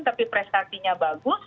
tapi prestasinya bagus